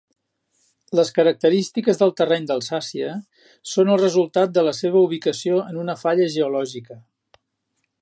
Les característiques del terreny d'Alsàcia són el resultat de la seva ubicació en una falla geològica.